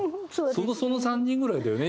その３人ぐらいだよね